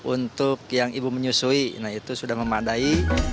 untuk yang ibu menyusui nah itu sudah memadai